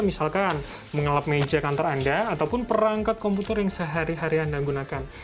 misalkan mengelap meja kantor anda ataupun perangkat komputer yang sehari hari anda gunakan